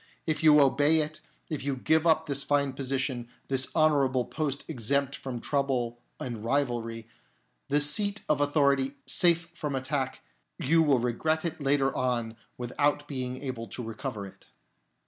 If you obey it, if you give up this fine position, this honourable post exempt from trouble and rivalry, this seat of authority safe from attack, you will regret it later on without being able to recover it."